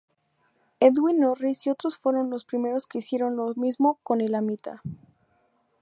Edwin Norris y otros fueron los primeros que hicieron lo mismo con el elamita.